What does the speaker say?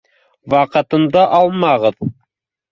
— Ваҡытымды алмағыҙ.